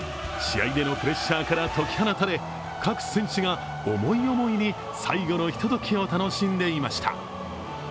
試合でのプレッシャーから解き放たれ、各選手が重い思いに、最後のひとときを楽しんでいました。